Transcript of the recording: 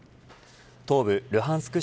東部ルハンスク